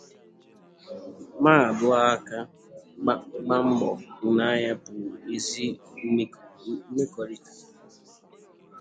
ma dụọ ha ka gbaa mbọ hụ na ya bụ ezi mmekọrịta